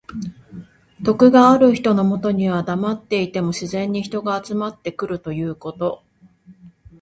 徳がある人のもとにはだまっていても自然に人が集まってくるということ。